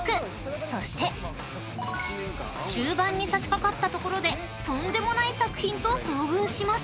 ［そして終盤に差し掛かったところでとんでもない作品と遭遇します］